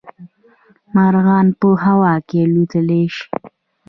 مارغان په هوا کې الوتلی شي